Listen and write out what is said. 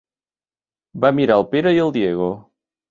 Va mirar el Pere i el Diego.